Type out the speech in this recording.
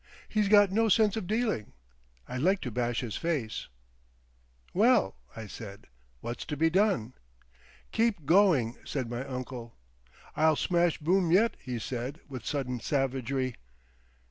He's got no sense of dealing. I'd like to bash his face!" "Well," I said, "what's to be done?" "Keep going," said my uncle. "I'll smash Boom yet," he said, with sudden savagery.